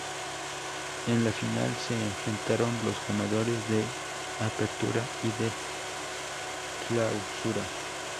En la final se enfrentaron los ganadores del apertura y del clausura.